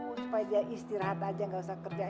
tuh supaya dia istirahat aja nggak usah kerja